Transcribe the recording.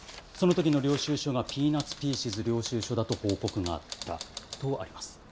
その時の領収書がピーナツ・ピーシーズ領収書だと報告があったとあります。